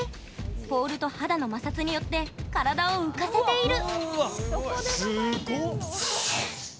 ポールと肌の摩擦によって体を浮かせている。